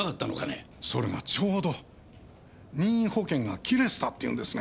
それがちょうど任意保険が切れてたっていうんですね。